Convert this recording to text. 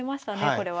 これは。